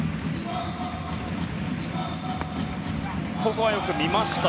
ここはよく見ました。